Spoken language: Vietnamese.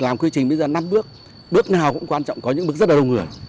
làm quy trình bây giờ năm bước bước nào cũng quan trọng có những bước rất là đông người